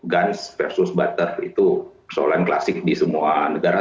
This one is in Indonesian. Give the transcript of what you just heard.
guns versus butter itu persoalan klasik di semua negara